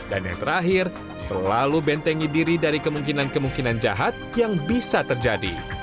dan yang terakhir selalu bentengi diri dari kemungkinan kemungkinan jahat yang bisa terjadi